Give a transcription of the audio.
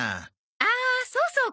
あそうそう